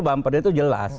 bumpernya itu jelas